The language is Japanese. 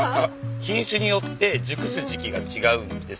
品種によって熟す時季が違うんですよ。